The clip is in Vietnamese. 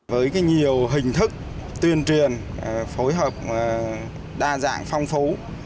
với nhiều hình thức tuyên truyền phối hợp đa dạng phong phú